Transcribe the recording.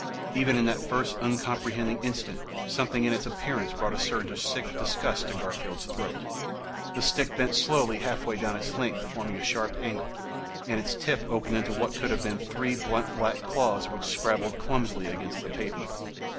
Even in that first uncomprehending instant, something in its appearance brought a surge of sick disgust to Garfield's throat. Then the stick bent slowly halfway down its length, forming a sharp angle, and its tip opened into what could have been three blunt, black claws which scrabbled clumsily against the pavement.